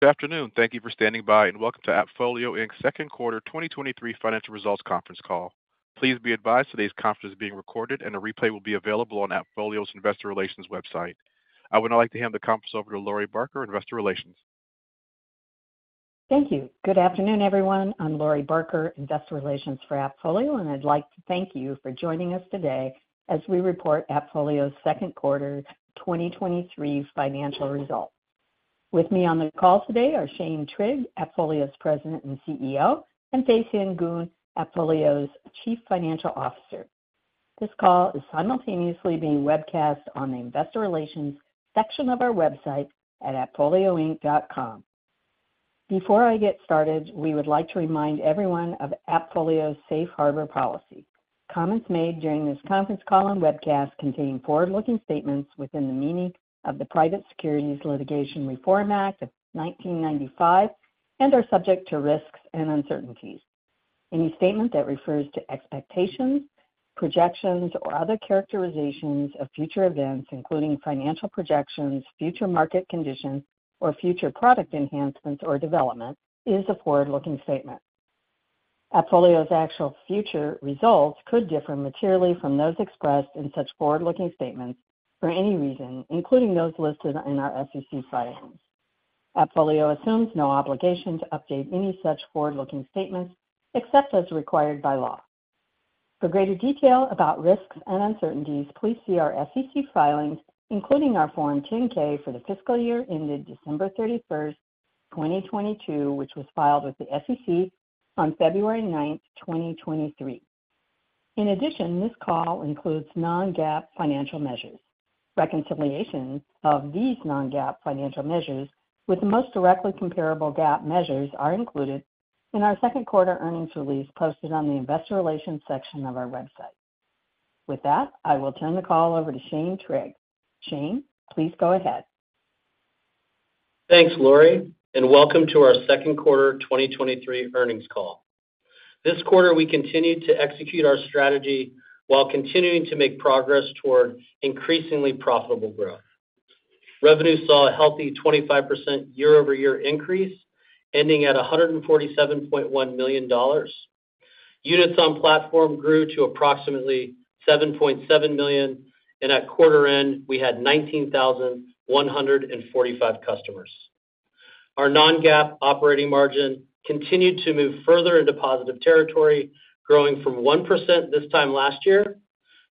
Good afternoon. Thank you for standing by, and welcome to AppFolio Inc.'s second quarter 2023 financial results conference call. Please be advised today's conference is being recorded, and a replay will be available on AppFolio's Investor Relations website. I would now like to hand the conference over to Lori Barker, Investor Relations. Thank you. Good afternoon, everyone. I'm Lori Barker, Investor Relations for AppFolio, and I'd like to thank you for joining us today as we report AppFolio's second quarter 2023 financial results. With me on the call today are Shane Trigg, AppFolio's President and CEO, and Fay Sien Goon, AppFolio's Chief Financial Officer. This call is simultaneously being webcast on the investor relations section of our website at appfolioinc.com. Before I get started, we would like to remind everyone of AppFolio's Safe Harbor policy. Comments made during this conference call and webcast contain forward-looking statements within the meaning of the Private Securities Litigation Reform Act of 1995 and are subject to risks and uncertainties. Any statement that refers to expectations, projections, or other characterizations of future events, including financial projections, future market conditions, or future product enhancements or developments, is a forward-looking statement. AppFolio's actual future results could differ materially from those expressed in such forward-looking statements for any reason, including those listed in our SEC filings. AppFolio assumes no obligation to update any such forward-looking statements except as required by law. For greater detail about risks and uncertainties, please see our SEC filings, including our Form 10-K for the fiscal year ended December 31st, 2022, which was filed with the SEC on February 9th, 2023. In addition, this call includes non-GAAP financial measures. Reconciliation of these non-GAAP financial measures with the most directly comparable GAAP measures are included in our second quarter earnings release, posted on the investor relations section of our website. With that, I will turn the call over to Shane Trigg. Shane, please go ahead. Thanks, Lori. Welcome to our second quarter 2023 earnings call. This quarter, we continued to execute our strategy while continuing to make progress toward increasingly profitable growth. Revenue saw a healthy 25% year-over-year increase, ending at $147.1 million. Units on platform grew to approximately 7.7 million. At quarter end, we had 19,145 customers. Our non-GAAP operating margin continued to move further into positive territory, growing from 1% this time last year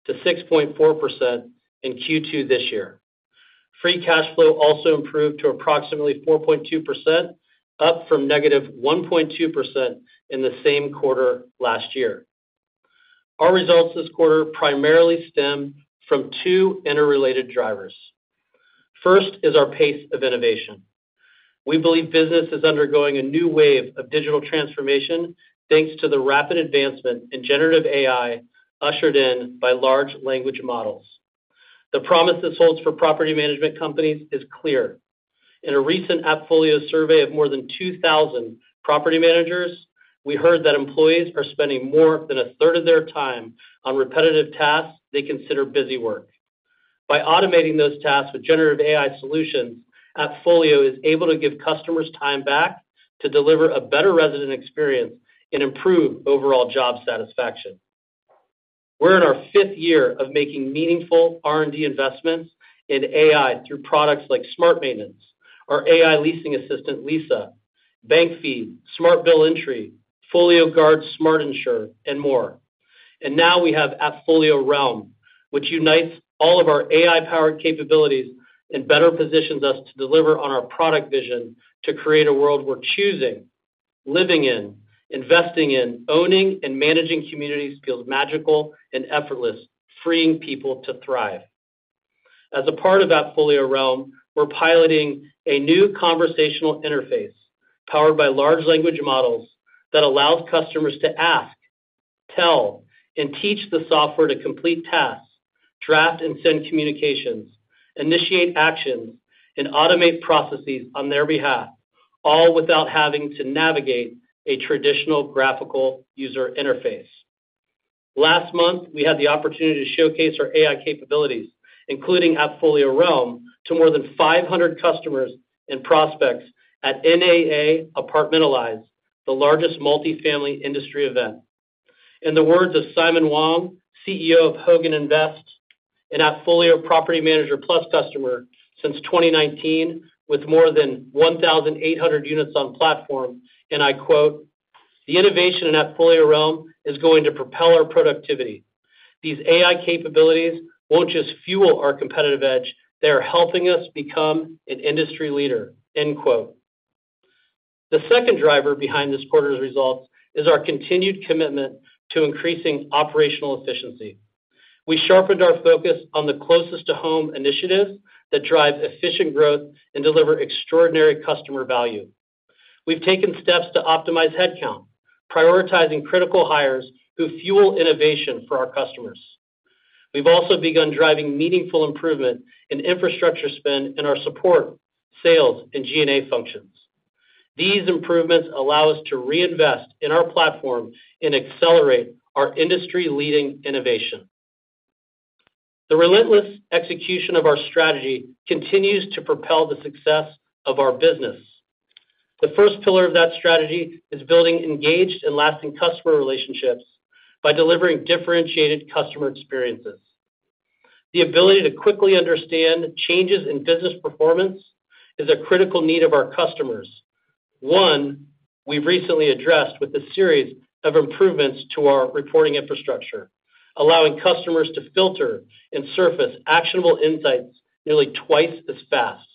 to 6.4% in Q2 this year. Free cash flow also improved to approximately 4.2%, up from -1.2% in the same quarter last year. Our results this quarter primarily stemmed from two interrelated drivers. First is our pace of innovation. We believe business is undergoing a new wave of digital transformation, thanks to the rapid advancement in generative AI, ushered in by large language models. The promise this holds for property management companies is clear. In a recent AppFolio survey of more than 2,000 property managers, we heard that employees are spending more than a third of their time on repetitive tasks they consider busy work. By automating those tasks with generative AI solutions, AppFolio is able to give customers time back to deliver a better resident experience and improve overall job satisfaction. We're in our fifth year of making meaningful R&D investments in AI through products like Smart Maintenance, our AI leasing assistant, Lisa, Bank Feed, Smart Bill Entry, FolioGuard, SmartEnsure, and more. Now we have AppFolio Realm, which unites all of our AI-powered capabilities and better positions us to deliver on our product vision to create a world where choosing, living in, investing in, owning, and managing communities feels magical and effortless, freeing people to thrive. As a part of AppFolio Realm, we're piloting a new conversational interface powered by large language models that allows customers to ask, tell, and teach the software to complete tasks, draft and send communications, initiate actions, and automate processes on their behalf, all without having to navigate a traditional graphical user interface. Last month, we had the opportunity to showcase our AI capabilities, including AppFolio Realm, to more than 500 customers and prospects at NAA Apartmentalize, the largest multifamily industry event. In the words of Simon Wong, CEO of Hogan & Vest, an AppFolio Property Manager Plus customer since 2019, with more than 1,800 units on platform, and I quote, "The innovation in AppFolio Realm is going to propel our productivity. These AI capabilities won't just fuel our competitive edge, they are helping us become an industry leader." End quote. The second driver behind this quarter's results is our continued commitment to increasing operational efficiency. We sharpened our focus on the closest to home initiatives that drive efficient growth and deliver extraordinary customer value. We've taken steps to optimize headcount, prioritizing critical hires who fuel innovation for our customers. We've also begun driving meaningful improvement in infrastructure spend in our support, sales, and G&A functions. These improvements allow us to reinvest in our platform and accelerate our industry-leading innovation.... The relentless execution of our strategy continues to propel the success of our business. The first pillar of that strategy is building engaged and lasting customer relationships by delivering differentiated customer experiences. The ability to quickly understand changes in business performance is a critical need of our customers. One, we've recently addressed with a series of improvements to our reporting infrastructure, allowing customers to filter and surface actionable insights nearly 2x as fast.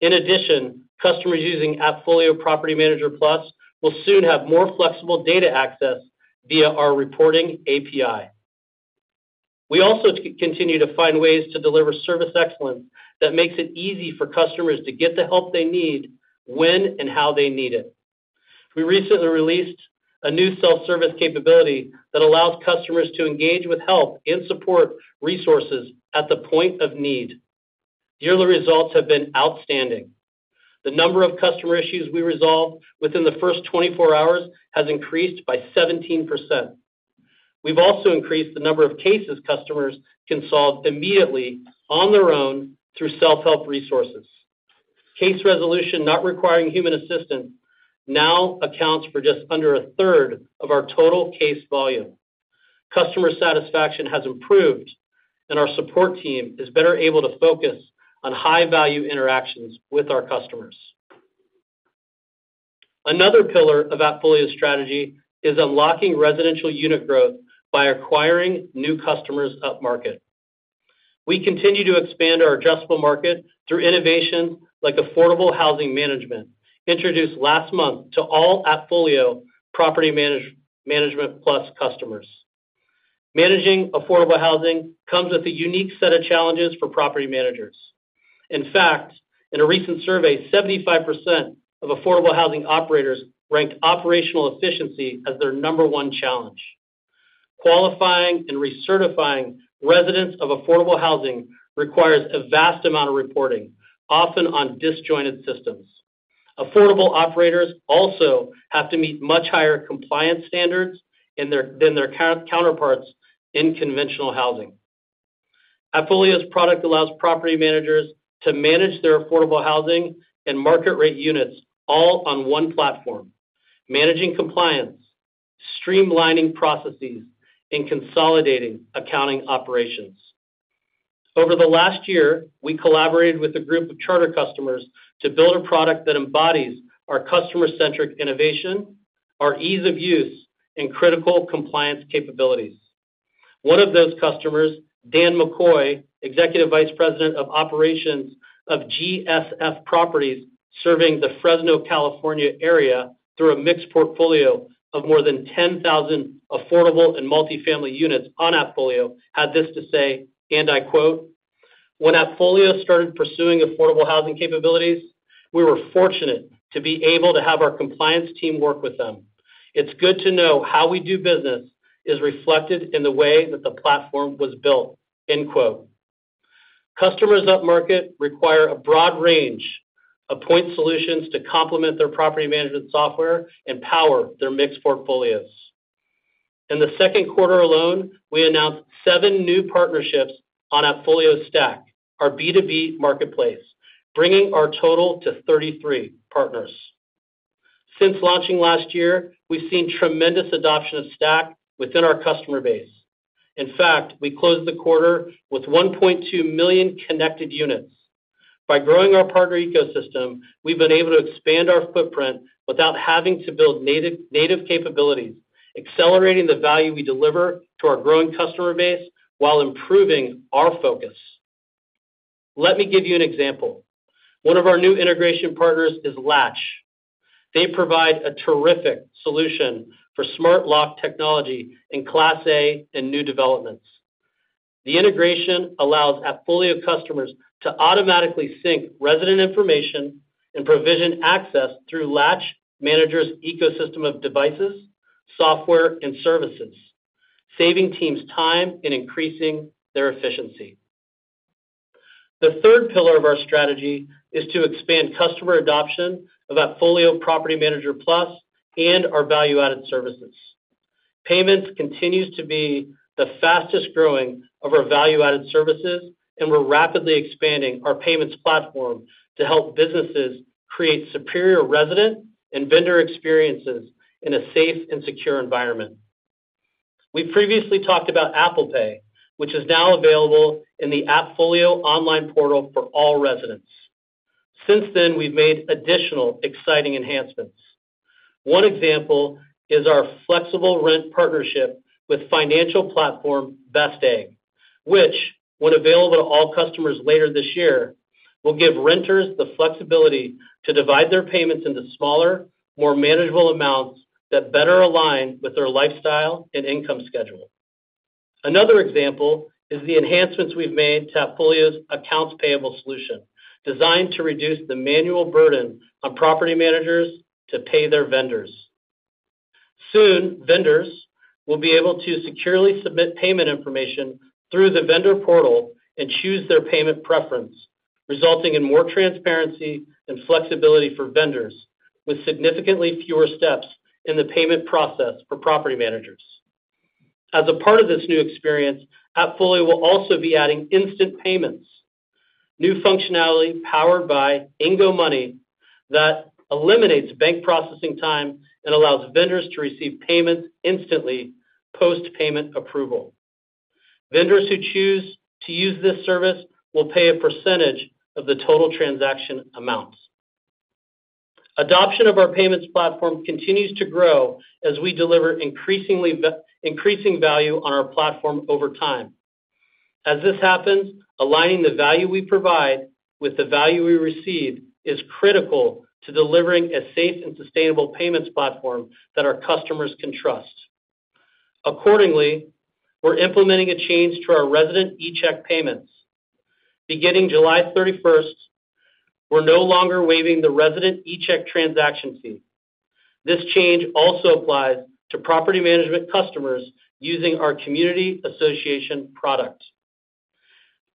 In addition, customers using AppFolio Property Manager Plus will soon have more flexible data access via our reporting API. We also continue to find ways to deliver service excellence that makes it easy for customers to get the help they need, when, and how they need it. We recently released a new self-service capability that allows customers to engage with help and support resources at the point of need. Yearly results have been outstanding. The number of customer issues we resolve within the first 24 hours has increased by 17%. We've also increased the number of cases customers can solve immediately on their own through self-help resources. Case resolution, not requiring human assistance, now accounts for just under a third of our total case volume. Customer satisfaction has improved, and our support team is better able to focus on high-value interactions with our customers. Another pillar of AppFolio's strategy is unlocking residential unit growth by acquiring new customers upmarket. We continue to expand our addressable market through innovation like affordable housing management, introduced last month to all AppFolio Property Manager Plus customers. Managing affordable housing comes with a unique set of challenges for property managers. In fact, in a recent survey, 75% of affordable housing operators ranked operational efficiency as their number one challenge. Qualifying and recertifying residents of affordable housing requires a vast amount of reporting, often on disjointed systems. Affordable operators also have to meet much higher compliance standards than their counterparts in conventional housing. AppFolio's product allows property managers to manage their affordable housing and market rate units all on one platform, managing compliance, streamlining processes, and consolidating accounting operations. Over the last year, we collaborated with a group of charter customers to build a product that embodies our customer-centric innovation, our ease of use, and critical compliance capabilities. One of those customers, Dan McCoy, Executive Vice President of Operations of GSF Properties, serving the Fresno, California, area through a mixed portfolio of more than 10,000 affordable and multifamily units on AppFolio, had this to say, and I quote: "When AppFolio started pursuing affordable housing capabilities, we were fortunate to be able to have our compliance team work with them. It's good to know how we do business is reflected in the way that the platform was built." End quote. Customers upmarket require a broad range of point solutions to complement their property management software and power their mixed portfolios. In the second quarter alone, we announced 7 new partnerships on AppFolio Stack, our B2B marketplace, bringing our total to 33 partners. Since launching last year, we've seen tremendous adoption of Stack within our customer base. In fact, we closed the quarter with 1.2 million connected units. By growing our partner ecosystem, we've been able to expand our footprint without having to build native, native capabilities, accelerating the value we deliver to our growing customer base while improving our focus. Let me give you an example. One of our new integration partners is Latch. They provide a terrific solution for smart lock technology in Class A and new developments. The integration allows AppFolio customers to automatically sync resident information and provision access through Latch Manager's ecosystem of devices, software, and services, saving teams time and increasing their efficiency. The third pillar of our strategy is to expand customer adoption of AppFolio Property Manager Plus and our value-added services. Payments continues to be the fastest-growing of our value-added services, and we're rapidly expanding our payments platform to help businesses create superior resident and vendor experiences in a safe and secure environment. We previously talked about Apple Pay, which is now available in the AppFolio online portal for all residents. Since then, we've made additional exciting enhancements. One example is our Flexible Rent partnership with financial platform Best Egg, which when available to all customers later this year, will give renters the flexibility to divide their payments into smaller, more manageable amounts that better align with their lifestyle and income schedule. Another example is the enhancements we've made to AppFolio's accounts payable solution, designed to reduce the manual burden on property managers to pay their vendors. Soon, vendors will be able to securely submit payment information through the Vendor Portal-... Choose their payment preference, resulting in more transparency and flexibility for vendors, with significantly fewer steps in the payment process for property managers. As a part of this new experience, AppFolio will also be adding instant payments, new functionality powered by Ingo Money, that eliminates bank processing time and allows vendors to receive payments instantly post-payment approval. Vendors who choose to use this service will pay a percentage of the total transaction amounts. Adoption of our payments platform continues to grow as we deliver increasingly increasing value on our platform over time. As this happens, aligning the value we provide with the value we receive, is critical to delivering a safe and sustainable payments platform that our customers can trust. Accordingly, we're implementing a change to our resident eCheck payments. Beginning July 31st, we're no longer waiving the resident eCheck transaction fee. This change also applies to property management customers using our community association product.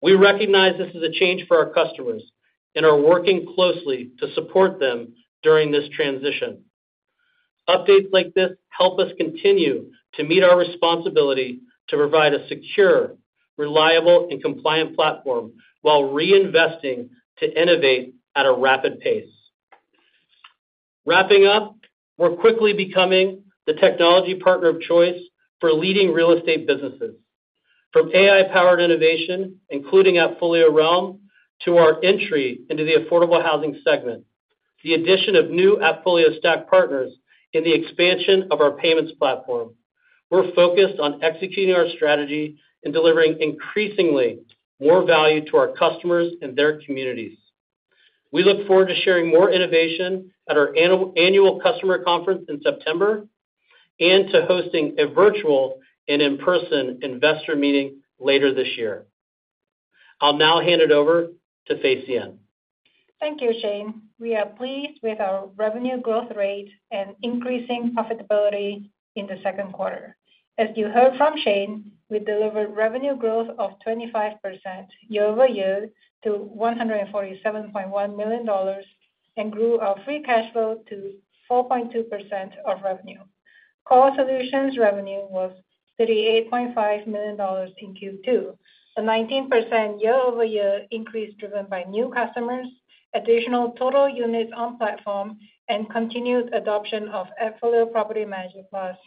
We recognize this is a change for our customers, and are working closely to support them during this transition. Updates like this help us continue to meet our responsibility to provide a secure, reliable, and compliant platform, while reinvesting to innovate at a rapid pace. Wrapping up, we're quickly becoming the technology partner of choice for leading real estate businesses. From AI-powered innovation, including AppFolio Realm, to our entry into the affordable housing segment, the addition of new AppFolio Stack partners in the expansion of our payments platform. We're focused on executing our strategy and delivering increasingly more value to our customers and their communities. We look forward to sharing more innovation at our annual customer conference in September, and to hosting a virtual and in-person investor meeting later this year. I'll now hand it over to Fay Sien. Thank you, Shane. We are pleased with our revenue growth rate and increasing profitability in the second quarter. As you heard from Shane, we delivered revenue growth of 25% year-over-year to $147.1 million, and grew our free cash flow to 4.2% of revenue. Core solutions revenue was $38.5 million in Q2, a 19% year-over-year increase, driven by new customers, additional total units on platform, and continued adoption of AppFolio Property Manager Plus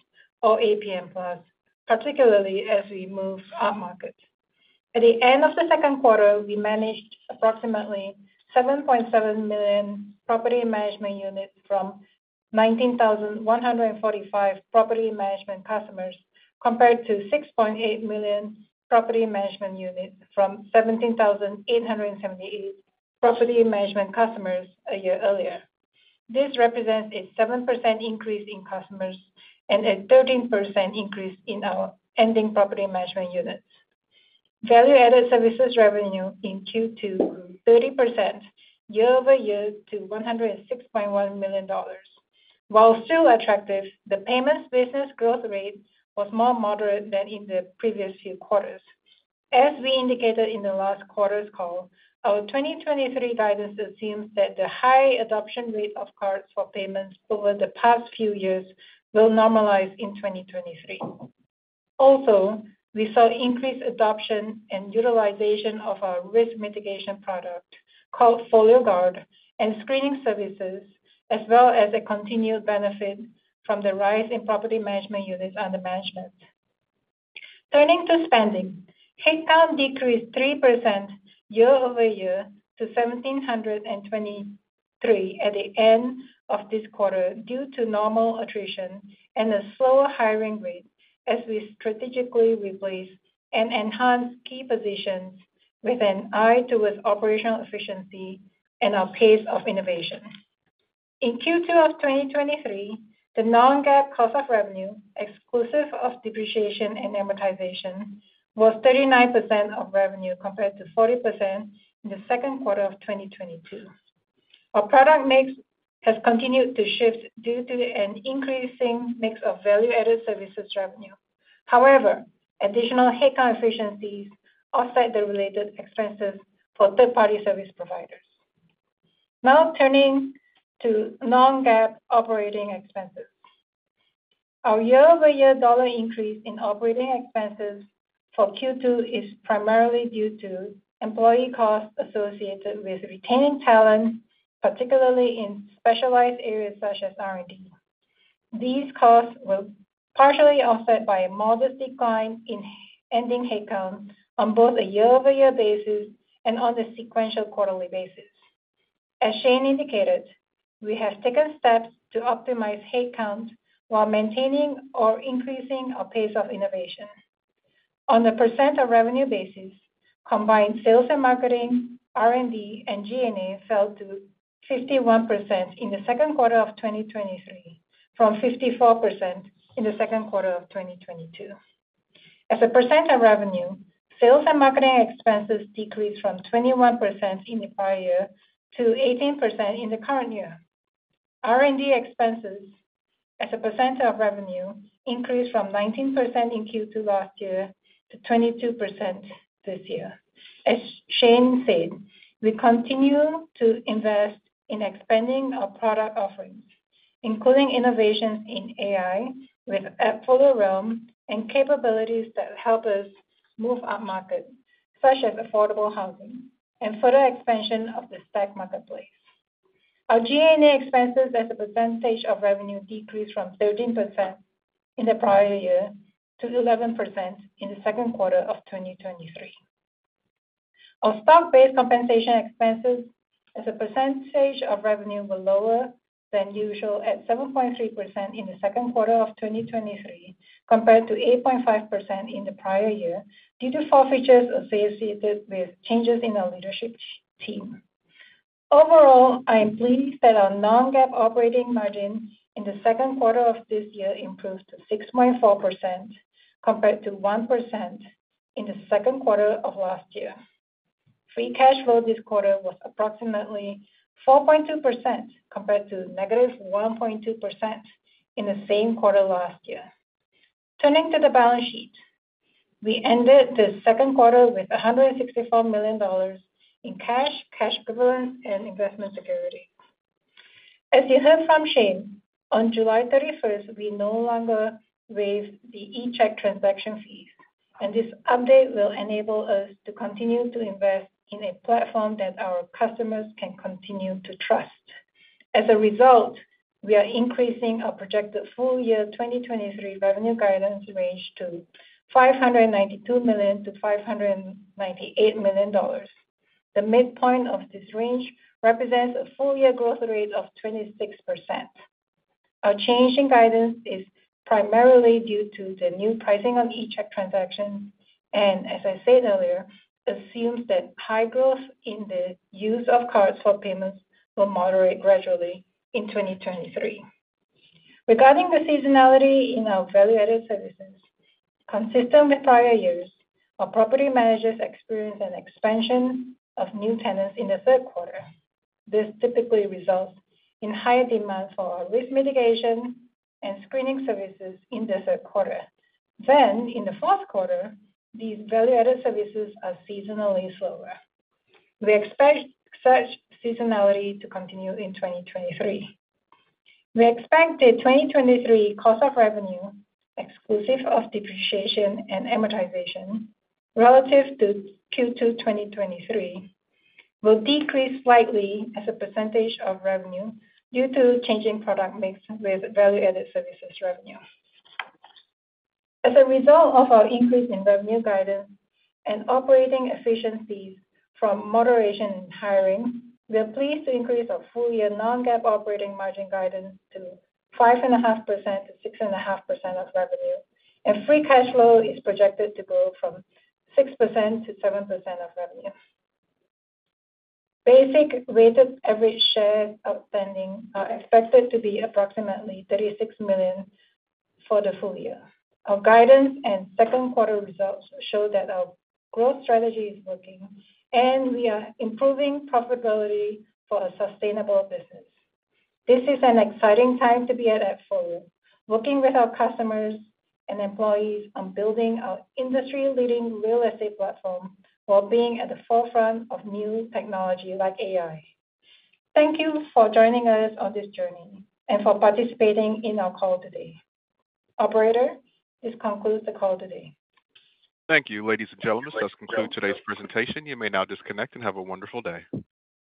or APM Plus, particularly as we move upmarket. At the end of the second quarter, we managed approximately 7.7 million property management units from 19,145 property management customers, compared to 6.8 million property management units from 17,878 property management customers a year earlier. This represents a 7% increase in customers and a 13% increase in our ending property management units. Value-added services revenue in Q2 grew 30% year-over-year to $106.1 million. While still attractive, the payments business growth rate was more moderate than in the previous few quarters. As we indicated in the last quarter's call, our 2023 guidance assumes that the high adoption rate of cards for payments over the past few years will normalize in 2023. Also, we saw increased adoption and utilization of our risk mitigation product called FolioGuard and screening services, as well as a continued benefit from the rise in property management units under management. Turning to spending, headcount decreased 3% year-over-year to 1,723 at the end of this quarter, due to normal attrition and a slower hiring rate as we strategically replace and enhance key positions with an eye towards operational efficiency and our pace of innovation. In Q2 of 2023, the non-GAAP cost of revenue, exclusive of depreciation and amortization, was 39% of revenue, compared to 40% in the second quarter of 2022. Our product mix has continued to shift due to an increasing mix of value-added services revenue. However, additional headcount efficiencies offset the related expenses for third-party service providers. Now, turning to non-GAAP operating expenses. Our year-over-year dollar increase in operating expenses for Q2 is primarily due to employee costs associated with retaining talent, particularly in specialized areas such as R&D. These costs were partially offset by a modest decline in ending headcount on both a year-over-year basis and on a sequential quarterly basis. As Shane indicated, we have taken steps to optimize headcount while maintaining or increasing our pace of innovation. On a % of revenue basis, combined sales and marketing, R&D, and G&A fell to 51% in the second quarter of 2023, from 54% in the second quarter of 2022. As a % of revenue, sales and marketing expenses decreased from 21% in the prior year to 18% in the current year.... R&D expenses as a percentage of revenue increased from 19% in Q2 last year to 22% this year. As Shane said, we continue to invest in expanding our product offerings, including innovations in AI with AppFolio Realm and capabilities that help us move upmarket, such as affordable housing and further expansion of the Stack marketplace. Our G&A expenses as a percentage of revenue decreased from 13% in the prior year to 11% in the second quarter of 2023. Our stock-based compensation expenses as a percentage of revenue were lower than usual at 7.3% in the second quarter of 2023, compared to 8.5% in the prior year, due to forfeitures associated with changes in our leadership team. Overall, I am pleased that our non-GAAP operating margin in the second quarter of this year improved to 6.4%, compared to 1% in the second quarter of last year. Free cash flow this quarter was approximately 4.2%, compared to negative 1.2% in the same quarter last year. Turning to the balance sheet. We ended the second quarter with $164 million in cash, cash equivalents, and investment security. As you heard from Shane, on July 31st, we no longer waive the eCheck transaction fees, and this update will enable us to continue to invest in a platform that our customers can continue to trust. As a result, we are increasing our projected full year 2023 revenue guidance range to $592 million-$598 million. The midpoint of this range represents a full-year growth rate of 26%. Our change in guidance is primarily due to the new pricing on eCheck transactions, and as I said earlier, assumes that high growth in the use of cards for payments will moderate gradually in 2023. Regarding the seasonality in our value-added services, consistent with prior years, our property managers experience an expansion of new tenants in the third quarter. This typically results in higher demand for our risk mitigation and screening services in the third quarter. In the fourth quarter, these value-added services are seasonally slower. We expect such seasonality to continue in 2023. We expect the 2023 cost of revenue, exclusive of depreciation and amortization, relative to Q2 2023, will decrease slightly as a % of revenue due to changing product mix with value-added services revenue. As a result of our increase in revenue guidance and operating efficiencies from moderation in hiring, we are pleased to increase our full-year non-GAAP operating margin guidance to 5.5%-6.5% of revenue. Free cash flow is projected to grow from 6%-7% of revenue. Basic weighted average shares outstanding are expected to be approximately 36 million for the full year. Our guidance and second quarter results show that our growth strategy is working. We are improving profitability for a sustainable business. This is an exciting time to be at AppFolio, working with our customers and employees on building our industry-leading real estate platform while being at the forefront of new technology like AI. Thank you for joining us on this journey and for participating in our call today. Operator, this concludes the call today. Thank you, ladies and gentlemen, this concludes today's presentation. You may now disconnect and have a wonderful day.